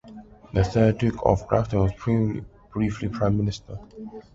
The third Duke of Grafton was briefly Prime Minister.